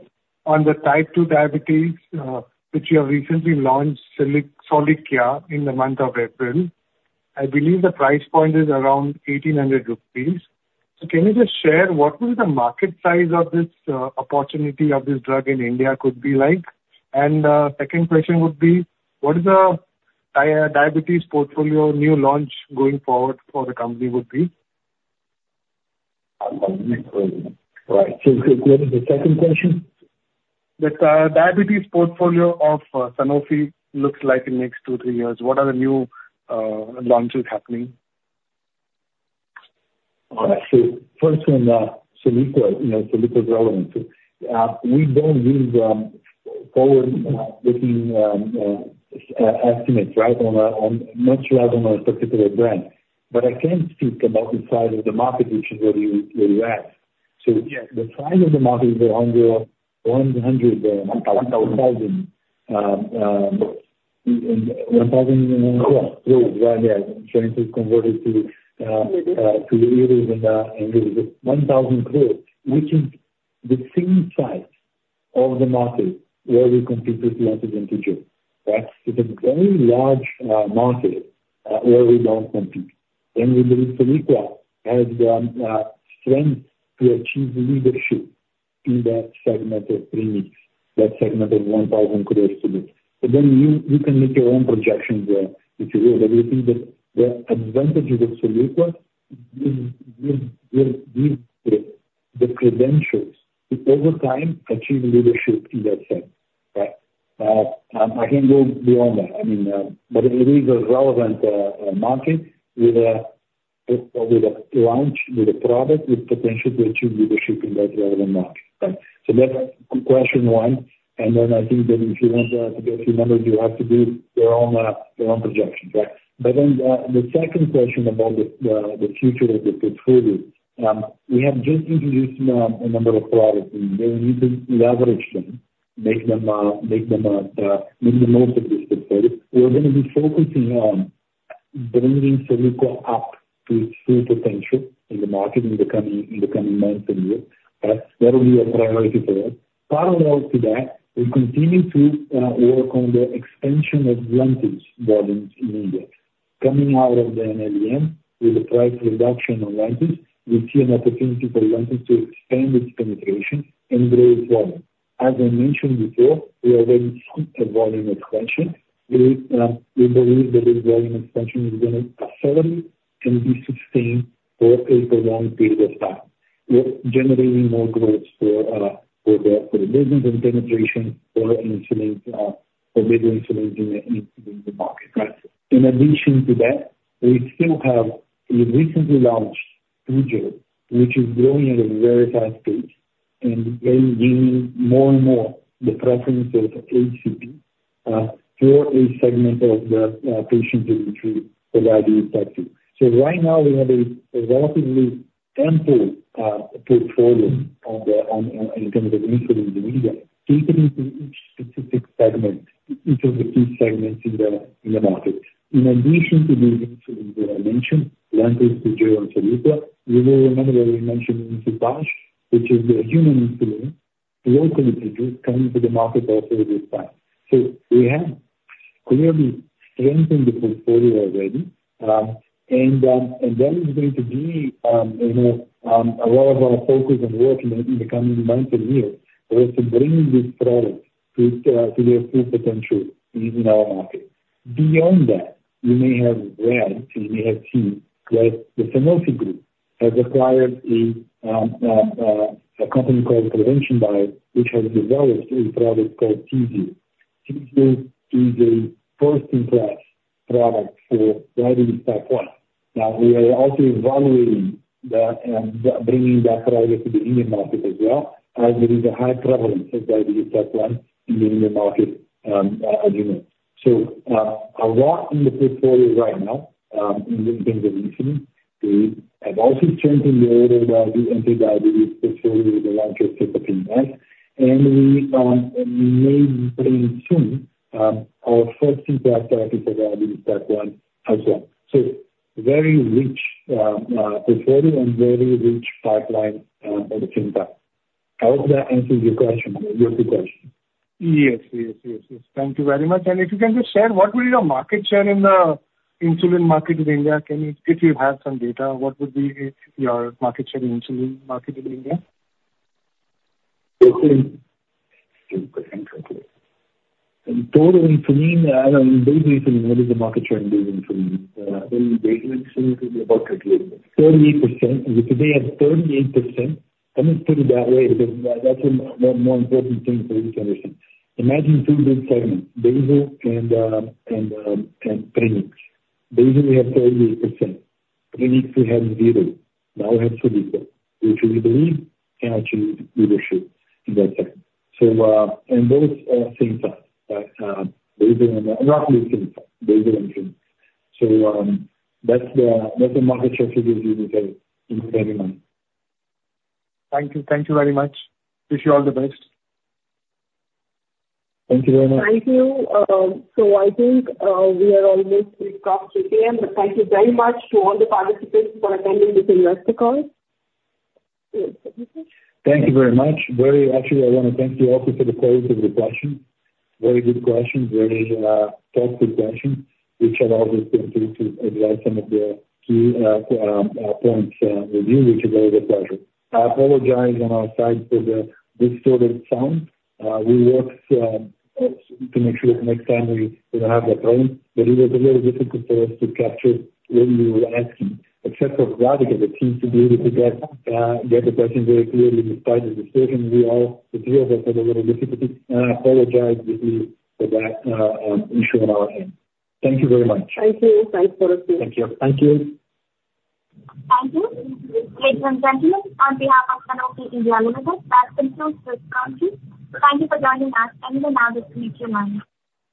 on the type 2 diabetes, which you have recently launched, Soliqua, in the month of April. I believe the price point is around 1,800 rupees. So can you just share what would the market size of this opportunity of this drug in India could be like? And the second question would be, what is the diabetes portfolio new launch going forward for the company would be? All right. So what is the second question? The diabetes portfolio of Sanofi looks like in the next 2-3 years. What are the new launches happening? All right. So first one, Soliqua. Soliqua is relevant. We don't use forward-looking estimates, right, much less on a particular brand. But I can speak about the size of the market, which is where you asked. So the size of the market is around the 100,000+ crore, right? Yeah. In euros, it's 1,000 crore, which is the same size of the market where we compete with Lantus and Toujeo, right? It's a very large market where we don't compete. And we believe Soliqua has the strength to achieve leadership in that segment of premix, that segment of 1,000 crore today. But then you can make your own projections if you will. But we think that the advantages of Soliqua give the credentials to, over time, achieve leadership in that segment, right? I can go beyond that. I mean, but it is a relevant market with a launch, with a product, with potential to achieve leadership in that relevant market, right? So that's question one. And then I think that if you want to get a few numbers, you have to do your own projections, right? But then the second question about the future of the portfolio, we have just introduced a number of products, and we need to leverage them, make them make the most of this portfolio. We're going to be focusing on bringing Soliqua up to its full potential in the market in the coming months and years, right? That will be a priority for us. Parallel to that, we continue to work on the expansion of Lantus volumes in India. Coming out of the NLEM with the price reduction on Lantus, we see an opportunity for Lantus to expand its penetration and grow its volume. As I mentioned before, we already see a volume expansion. We believe that this volume expansion is going to accelerate and be sustained for a prolonged period of time, generating more growth for the business and penetration for bigger insulins in the market, right? In addition to that, we still have a recently launched Toujeo, which is growing at a very fast pace and gaining more and more the preference of HCP for a segment of the patients that we treat for diabetes type 2. So right now, we have a relatively ample portfolio in terms of insulins in India, tapered into each specific segment, each of the key segments in the market. In addition to these insulins that I mentioned, Lantus, Toujeo, and Soliqua, you will remember that we mentioned Insutage, which is the insulin locally produced, coming to the market also this time. So we have clearly strengthened the portfolio already. And that is going to be a lot of our focus and work in the coming months and years also bringing this product to their full potential in our market. Beyond that, you may have read, you may have seen, that the Sanofi Group has acquired a company called Provention Bio, which has developed a product called TZIELD. TZIELD is a first-in-class product for diabetes type 1. Now, we are also evaluating bringing that product into the Indian market as well, as there is a high prevalence of diabetes type 1 in the Indian market as you know. So a lot in the portfolio right now in terms of insulin. We have also strengthened the order of our new anti-diabetes portfolio with the Insutage, right? And we may bring soon our first-in-class therapy for diabetes type 1 as well. So very rich portfolio and very rich pipeline at the same time. I hope that answers your two questions. Yes. Yes. Yes. Yes. Thank you very much. If you can just share, what would be your market share in the insulin market in India? If you have some data, what would be your market share in insulin market in India? 14%, roughly. And total insulin, I mean, basal insulin, what is the market share in basal insulin? Basal insulin would be about 38%. 38%. And today, we have 38%. Let me put it that way because that's a more important thing for you to understand. Imagine two big segments, basal and premix. Basal, we have 38%. Premix, we have zero. Now, we have Soliqua, which we believe can achieve leadership in that segment and both same size, right? Basal and roughly same size, basal and premix. So that's the market share figures you need to have in mind. Thank you. Thank you very much. Wish you all the best. Thank you very much. Thank you. So I think we are almost past 3:00 P.M. But thank you very much to all the participants for attending this investor call. Thank you very much. Actually, I want to thank you also for the quality of the questions. Very good questions, very thoughtful questions, which allowed us to advise some of the key points with you, which is always a pleasure. I apologize on our side for the distorted sound. We worked to make sure that next time we don't have that problem. But it was a little difficult for us to capture what you were asking, except for Radhika, that seems to be able to get the question very clearly despite the distortion. The three of us had a little difficulty. I apologize deeply for that issue on our end. Thank you very much. Thank you. Thanks for listening. Thank you. Thank you. Thank you. Ladies and gentlemen, on behalf of Sanofi India Limited, that concludes this call too. Thank you for joining us. And you may now disconnect your line